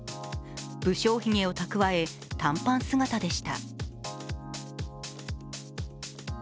不精ひげをたくわえ短パン姿でした。